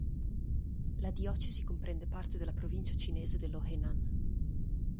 La diocesi comprende parte della provincia cinese dello Henan.